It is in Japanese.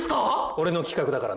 俺の企画だからな